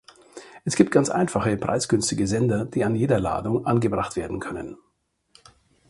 Es gibt ganz einfache, preisgünstige Sender, die an jeder Ladung angebracht werden können.